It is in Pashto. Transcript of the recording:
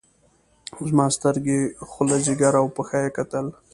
زما سترګې خوله ځيګر او پښه يې کتل.